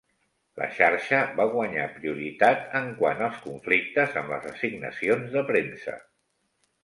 La xarxa va guanyar prioritat en quant als conflictes amb les assignacions de premsa.